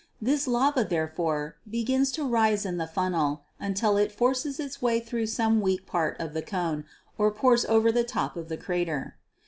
This lava therefore begins to rise in the funnel until it forces its way through some weak part of the cone or pours over the top of the crater.